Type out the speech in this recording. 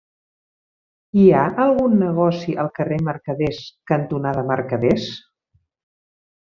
Hi ha algun negoci al carrer Mercaders cantonada Mercaders?